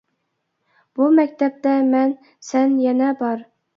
بۇ مەكتەپتە مەن، سەن يەنە بار.